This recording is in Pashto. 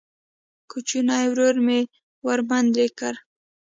کوچیني ورور مې ورمنډه کړه.